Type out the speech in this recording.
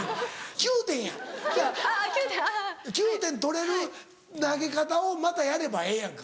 ９点取れる投げ方をまたやればええやんか。